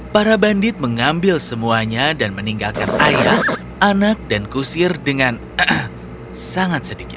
para bandit mengambil semuanya dan meninggalkan ayah anak dan kusir dengan sangat sedikit